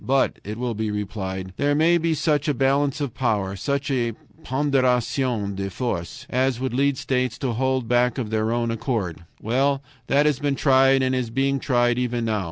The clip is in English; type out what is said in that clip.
But, it will be replied, there may be such a balance of power, such a PONDÉRATION DE FORCES, as would lead states to hold back of their own accord. Well, that has been tried and is being tried even now.